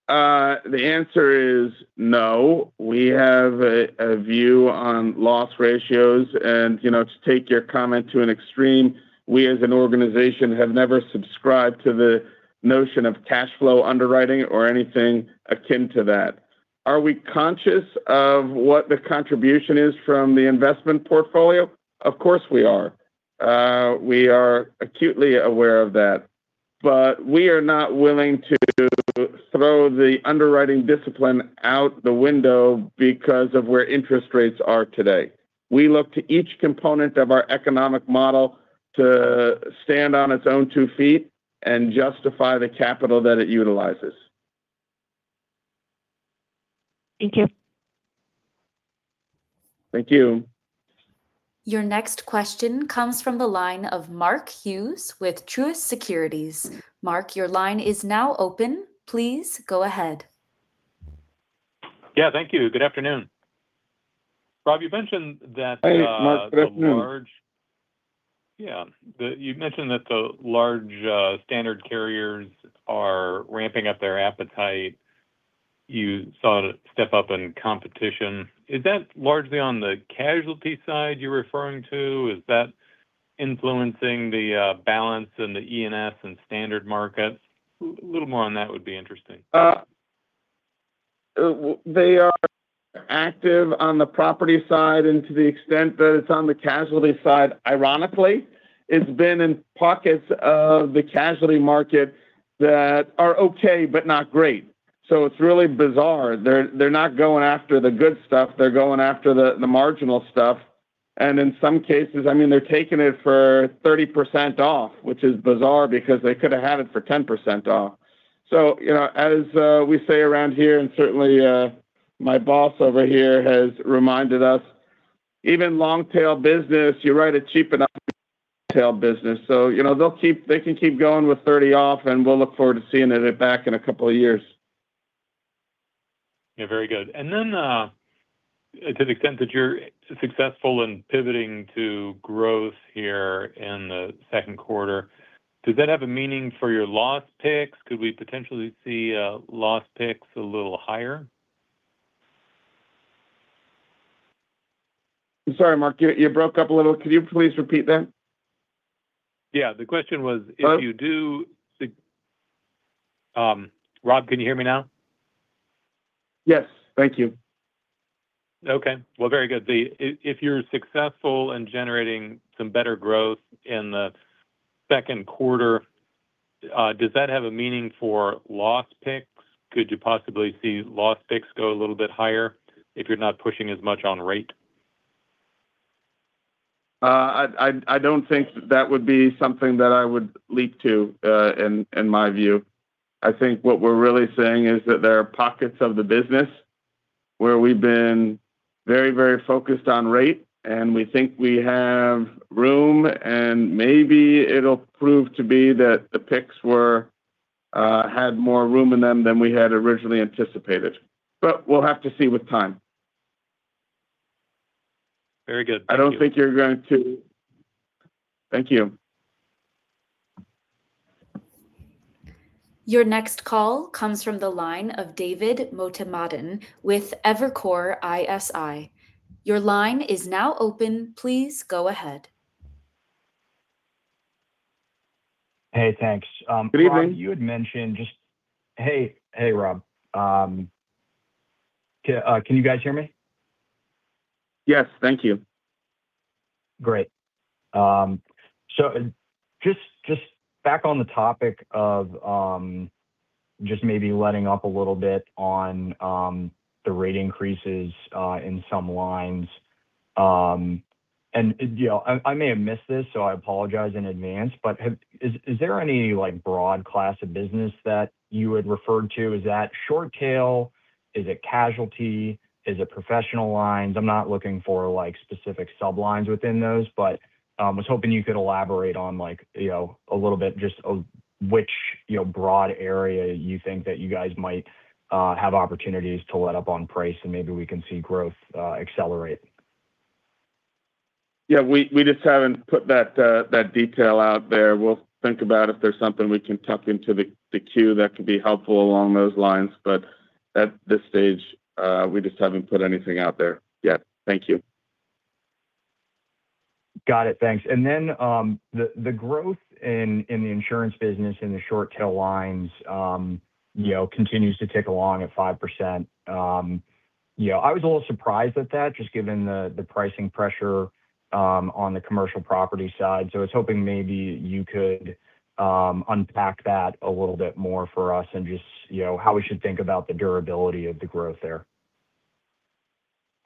The answer is no. We have a view on loss ratios and to take your comment to an extreme, we as an organization have never subscribed to the notion of cash flow underwriting or anything akin to that. Are we conscious of what the contribution is from the investment portfolio? Of course, we are. We are acutely aware of that, but we are not willing to throw the underwriting discipline out the window because of where interest rates are today. We look to each component of our economic model to stand on its own two feet and justify the capital that it utilizes. Thank you. Thank you. Your next question comes from the line of Mark Hughes with Truist Securities. Mark, your line is now open. Please go ahead. Yeah, thank you. Good afternoon. Hi Mark, good afternoon. Yeah, you mentioned that the large standard carriers are ramping up their appetite. You saw it step up in competition. Is that largely on the casualty side you're referring to? Is that influencing the balance in the E&S and standard markets? A little more on that would be interesting. They are active on the property side, and to the extent that it's on the casualty side, ironically, it's been in pockets of the casualty market that are okay, but not great. It's really bizarre. They're not going after the good stuff. They're going after the marginal stuff, and in some cases, they're taking it for 30% off, which is bizarre because they could have had it for 10% off. As we say around here, and certainly my boss over here has reminded us. Even long-tail business, you write a cheap enough tail business. They can keep going with 30% off, and we'll look forward to seeing it back in a couple of years. Yeah, very good. To the extent that you're successful in pivoting to growth here in the second quarter, does that have a meaning for your loss picks? Could we potentially see loss picks a little higher? I'm sorry, Mark, you broke up a little. Could you please repeat that? Yeah. The question was if you do, Rob, can you hear me now? Yes. Thank you. Okay. Well, very good. If you're successful in generating some better growth in the second quarter, does that have a meaning for loss picks? Could you possibly see loss picks go a little bit higher if you're not pushing as much on rate? I don't think that that would be something that I would leap to, in my view. I think what we're really saying is that there are pockets of the business where we've been very focused on rate, and we think we have room, and maybe it'll prove to be that the picks had more room in them than we had originally anticipated. We'll have to see with time. Very good, thank you. Thank you. Your next call comes from the line of David Motemaden with Evercore ISI. Your line is now open. Please go ahead. Hey, thanks. Good evening. Hey, Rob. Can you guys hear me? Yes. Thank you. Great. Just back on the topic of just maybe letting up a little bit on the rate increases in some lines. I may have missed this, so I apologize in advance, but is there any broad class of business that you had referred to? Is that short tail? Is it casualty? Is it professional lines? I'm not looking for specific sublines within those, but I was hoping you could elaborate on a little bit just which broad area you think that you guys might have opportunities to let up on price, and maybe we can see growth accelerate. Yeah. We just haven't put that detail out there. We'll think about if there's something we can tuck into the queue that could be helpful along those lines. At this stage, we just haven't put anything out there yet. Thank you. Got it, thanks. The growth in the insurance business in the short tail lines continues to tick along at 5%. I was a little surprised at that, just given the pricing pressure on the commercial property side. I was hoping maybe you could unpack that a little bit more for us and just how we should think about the durability of the growth there?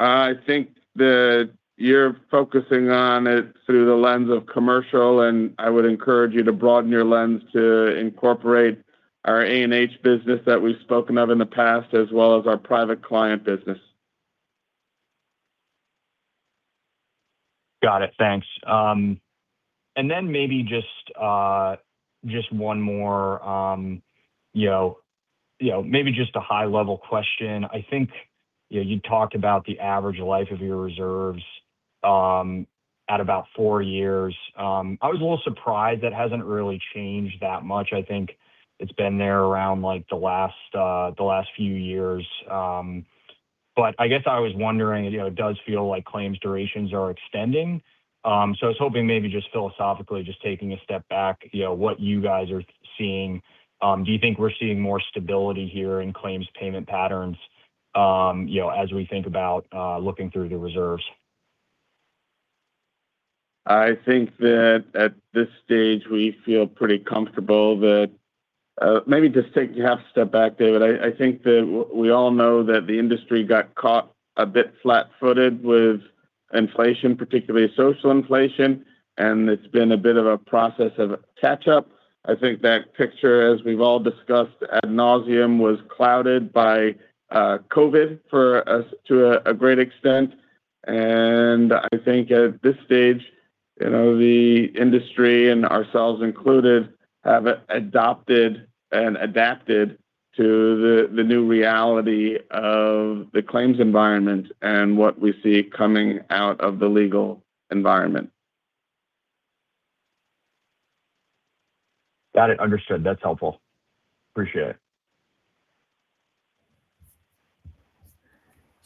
I think that you're focusing on it through the lens of commercial, and I would encourage you to broaden your lens to incorporate our A&H business that we've spoken of in the past, as well as our private client business. Got it, thanks. Maybe just one more high-level question. I think you talked about the average life of your reserves at about four years. I was a little surprised that hasn't really changed that much. I think it's been there around the last few years. I guess I was wondering, it does feel like claims durations are extending. I was hoping maybe just philosophically taking a step back, what you guys are seeing. Do you think we're seeing more stability here in claims payment patterns as we think about looking through the reserves? I think that at this stage, we feel pretty comfortable that. Maybe just take half a step back, David. I think that we all know that the industry got caught a bit flat-footed with inflation, particularly social inflation, and it's been a bit of a process of catch-up. I think that picture, as we've all discussed ad nauseam, was clouded by COVID to a great extent. I think at this stage, the industry and ourselves included, have adopted and adapted to the new reality of the claims environment and what we see coming out of the legal environment. Got it, understood. That's helpful, appreciate it.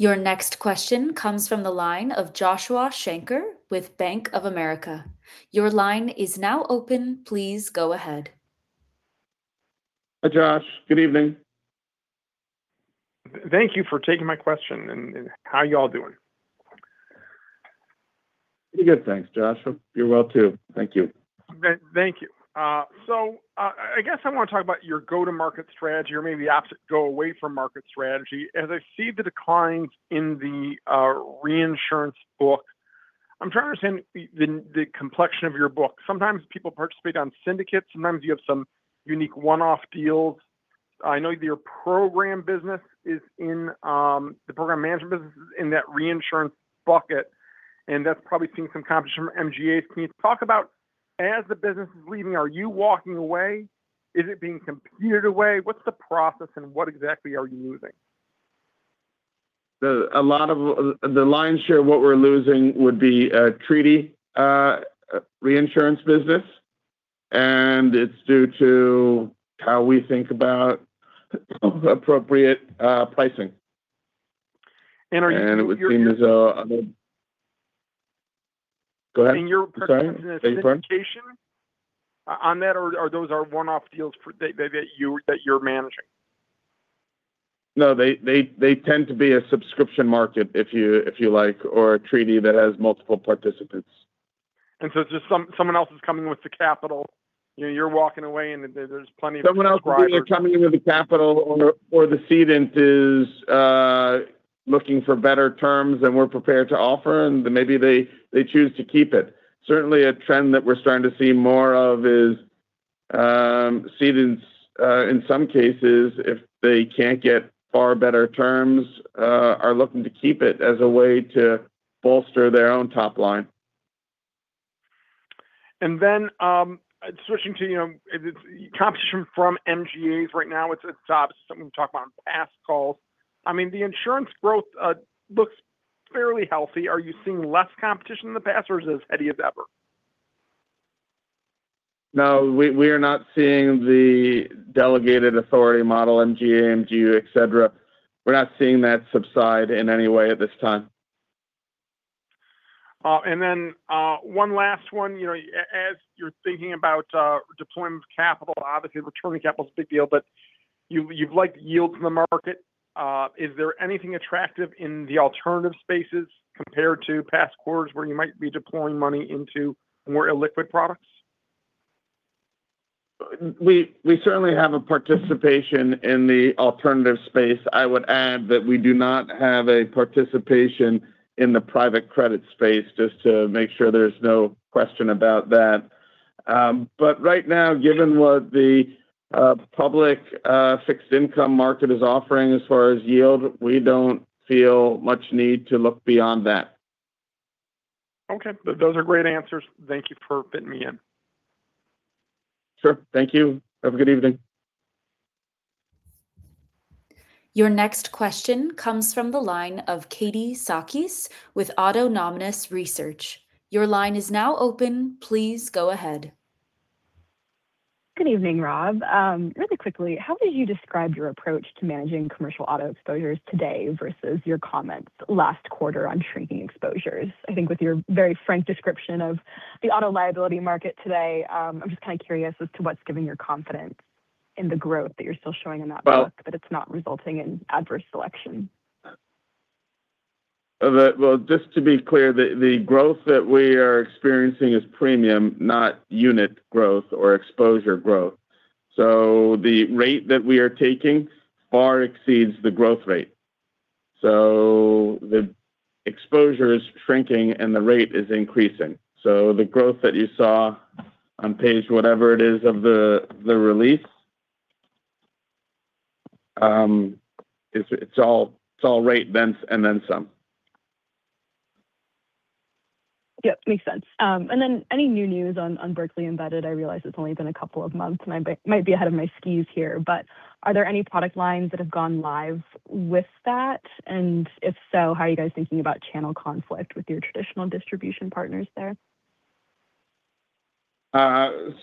Your next question comes from the line of Joshua Shanker with Bank of America. Your line is now open. Please go ahead. Hi, Josh. Good evening. Thank you for taking my question, and how are you all doing? Pretty good, thanks, Josh. You're well, too. Thank you. Thank you. I guess I want to talk about your go-to-market strategy or maybe opposite go-away-from-market strategy. As I see the declines in the reinsurance book, I'm trying to understand the complexion of your book. Sometimes people participate on syndicates, sometimes you have some unique one-off deals. I know your program business is in the program management business is in that reinsurance bucket, and that's probably seeing some competition from MGAs. Can you talk about as the business is leaving, are you walking away? Is it being competed away? What's the process and what exactly are you losing? A lot of the lion's share of what we're losing would be treaty reinsurance business, and it's due to how we think about appropriate pricing. Are you- It would seem as though. Go ahead. In your participation on that, or those are one-off deals that you're managing? No, they tend to be a subscription market if you like, or a treaty that has multiple participants. Just someone else is coming with the capital. You're walking away, and there's plenty of. Someone else coming in with the capital or the cedent is looking for better terms than we're prepared to offer, and maybe they choose to keep it. Certainly, a trend that we're starting to see more of is cedents in some cases, if they can't get far better terms, are looking to keep it as a way to bolster their own top line. Switching to competition from MGAs right now, it's something we've talked about on past calls. The insurance growth looks fairly healthy. Are you seeing less competition than the past, or is this as heady as ever? No, we are not seeing the delegated authority model, MGA, MGU, etc, we're not seeing that subside in any way at this time. One last one. As you're thinking about deployment of capital, obviously returning capital is a big deal, but you'd like yields in the market. Is there anything attractive in the alternative spaces compared to past quarters, where you might be deploying money into more illiquid products? We certainly have a participation in the alternative space. I would add that we do not have a participation in the private credit space, just to make sure there's no question about that. Right now, given what the public fixed income market is offering as far as yield, we don't feel much need to look beyond that. Okay. Those are great answers, thank you for fitting me in. Sure, thank you. Have a good evening. Your next question comes from the line of Katie Sakys with Autonomous Research. Your line is now open. Please go ahead. Good evening, Rob. Really quickly, how would you describe your approach to managing commercial auto exposures today versus your comments last quarter on shrinking exposures? I think with your very frank description of the auto liability market today, I'm just kind of curious as to what's giving you confidence in the growth that you're still showing in that book, but it's not resulting in adverse selection. Well, just to be clear, the growth that we are experiencing is premium, not unit growth or exposure growth. The rate that we are taking far exceeds the growth rate. The exposure is shrinking, and the rate is increasing. The growth that you saw on page whatever it is of the release, it's all rate bends and then some. Yep, makes sense. Any new news on Berkley Embedded? I realize it's only been a couple of months, and I might be ahead of my skis here, but are there any product lines that have gone live with that? If so, how are you guys thinking about channel conflict with your traditional distribution partners there? As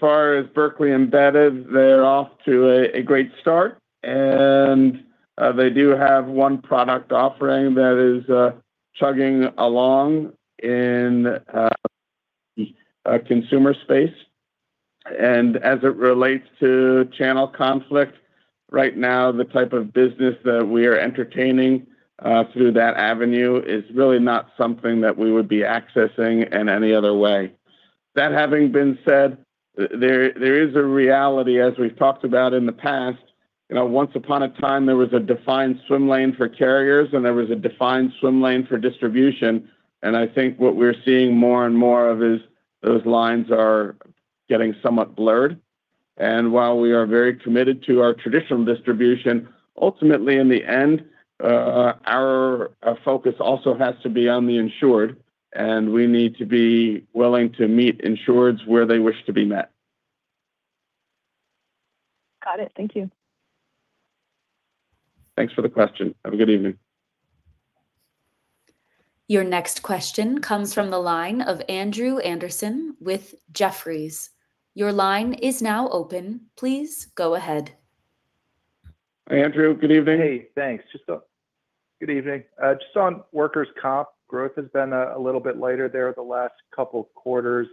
far as Berkley Embedded, they're off to a great start, and they do have one product offering that is chugging along in consumer space. As it relates to channel conflict, right now the type of business that we are entertaining through that avenue is really not something that we would be accessing in any other way. That having been said, there is a reality, as we've talked about in the past. Once upon a time, there was a defined swim lane for carriers, and there was a defined swim lane for distribution, and I think what we're seeing more and more of is those lines are getting somewhat blurred. While we are very committed to our traditional distribution, ultimately, in the end, our focus also has to be on the insured, and we need to be willing to meet insureds where they wish to be met. Got it, thank you. Thanks for the question. Have a good evening. Your next question comes from the line of Andrew Andersen with Jefferies. Your line is now open. Please go ahead. Andrew, good evening. Hey, thanks. Good evening. Just on workers' comp, growth has been a little bit lighter there the last couple of quarters.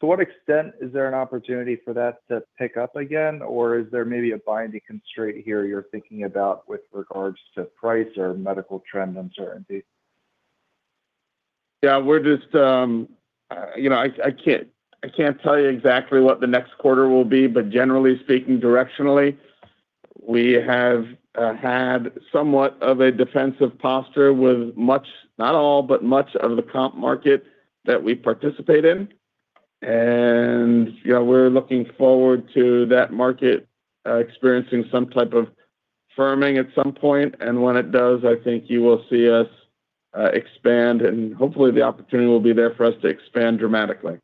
To what extent is there an opportunity for that to pick up again? Or is there maybe a binding constraint here you're thinking about with regards to price or medical trend uncertainty? Yeah, I can't tell you exactly what the next quarter will be, but generally speaking, directionally. We have had somewhat of a defensive posture with much, not all, but much of the comp market that we participate in. Yeah, we're looking forward to that market experiencing some type of firming at some point. When it does, I think you will see us expand, and hopefully the opportunity will be there for us to expand dramatically.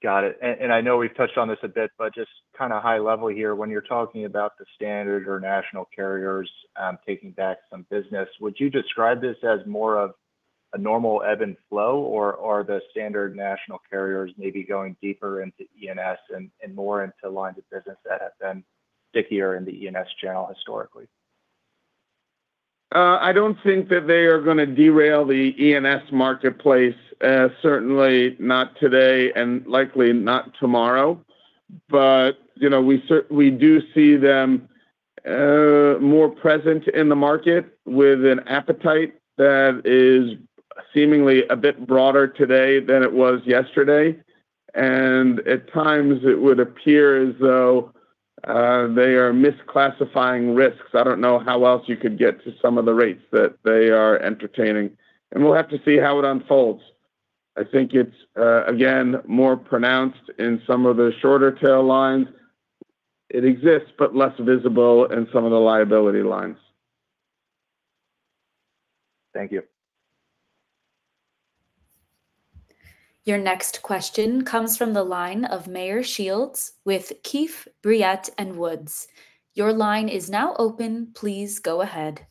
Got it. I know we've touched on this a bit, but just kind of high level here, when you're talking about the standard or national carriers taking back some business, would you describe this as more of a normal ebb and flow? Or are the standard national carriers maybe going deeper into E&S and more into lines of business that have been stickier in the E&S channel historically? I don't think that they are going to derail the E&S marketplace, certainly not today and likely not tomorrow. We do see them more present in the market with an appetite that is seemingly a bit broader today than it was yesterday. At times it would appear as though they are misclassifying risks. I don't know how else you could get to some of the rates that they are entertaining, and we'll have to see how it unfolds. I think it's, again, more pronounced in some of the shorter tail lines. It exists, but less visible in some of the liability lines. Thank you. Your next question comes from the line of Meyer Shields with Keefe, Bruyette & Woods. Your line is now open. Please go ahead.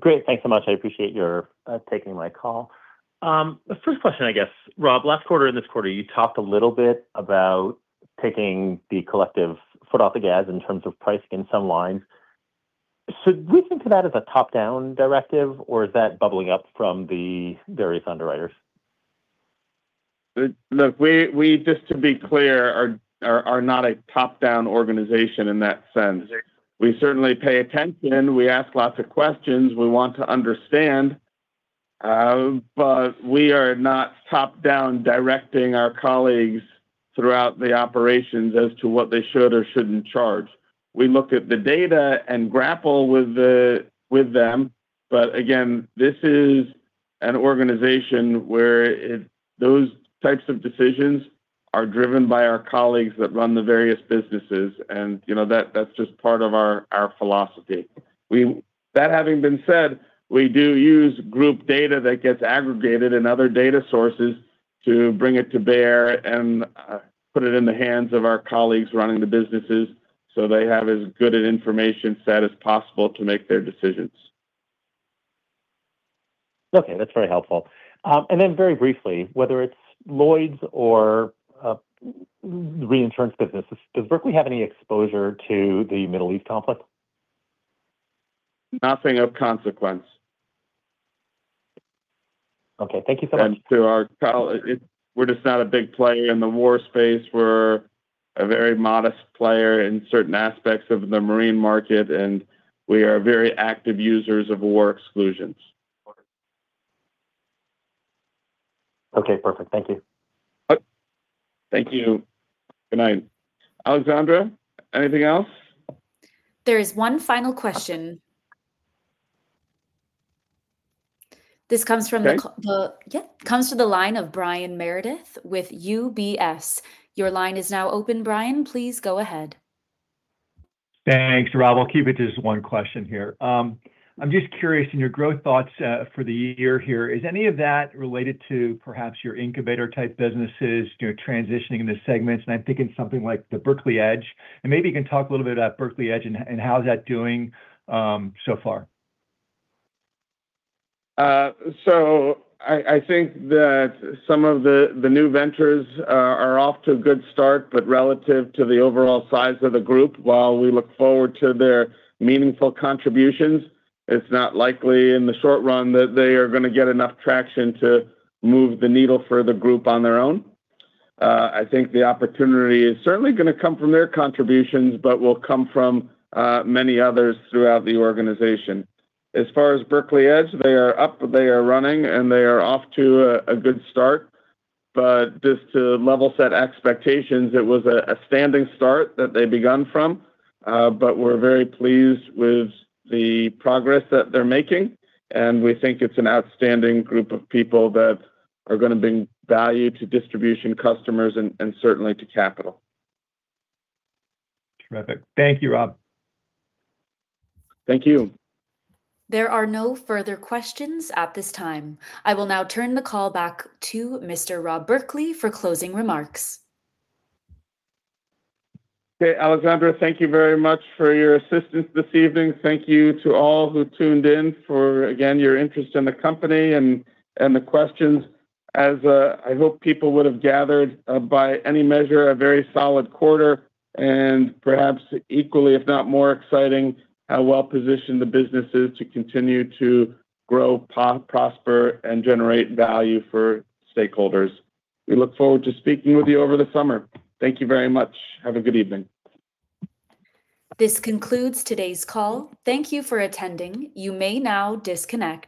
Great. Thanks so much, I appreciate your taking my call. First question, I guess. Rob, last quarter and this quarter, you talked a little bit about taking the collective foot off the gas in terms of pricing some lines. Should we think of that as a top-down directive, or is that bubbling up from the various underwriters? Look, we, just to be clear, are not a top-down organization in that sense. We certainly pay attention, we ask lots of questions, we want to understand. We are not top-down directing our colleagues throughout the operations as to what they should or shouldn't charge. We look at the data and grapple with them. Again, this is an organization where those types of decisions are driven by our colleagues that run the various businesses, and that's just part of our philosophy. That having been said, we do use group data that gets aggregated and other data sources to bring it to bear and put it in the hands of our colleagues running the businesses so they have as good an information set as possible to make their decisions. Okay, that's very helpful. Very briefly, whether it's Lloyd's or reinsurance businesses, does Berkley have any exposure to the Middle East conflict? Nothing of consequence. Okay, thank you so much. We're just not a big player in the war space. We're a very modest player in certain aspects of the marine market, and we are very active users of war exclusions. Okay, perfect. Thank you. Thank you. Good night. Alexandra, anything else? There is one final question. Okay? Yeah, our next question comes from the line of Brian Meredith with UBS. Your line is now open, Brian. Please go ahead. Thanks, Rob. I'll keep it to just one question here. I'm just curious in your growth thoughts for the year here, is any of that related to perhaps your incubator type businesses transitioning into segments? I'm thinking something like the Berkley Edge. Maybe you can talk a little bit about Berkley Edge and how's that doing so far. I think that some of the new ventures are off to a good start. Relative to the overall size of the group, while we look forward to their meaningful contributions, it's not likely in the short run that they are going to get enough traction to move the needle for the group on their own. I think the opportunity is certainly going to come from their contributions, but will come from many others throughout the organization. As far as Berkley Edge, they are up, they are running, and they are off to a good start. Just to level set expectations, it was a standing start that they begun from. We're very pleased with the progress that they're making, and we think it's an outstanding group of people that are going to bring value to distribution customers and certainly to capital. Terrific. Thank you, Rob. Thank you. There are no further questions at this time. I will now turn the call back to Mr. Rob Berkley for closing remarks. Okay, Alexandra, thank you very much for your assistance this evening. Thank you to all who tuned in for, again, your interest in the company and the questions. As I hope people would have gathered, by any measure, a very solid quarter, and perhaps equally, if not more exciting, how well-positioned the business is to continue to grow, prosper, and generate value for stakeholders. We look forward to speaking with you over the summer. Thank you very much, have a good evening. This concludes today's call. Thank you for attending. You may now disconnect.